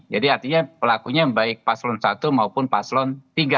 jadi artinya pelakunya baik paslon satu maupun paslon tiga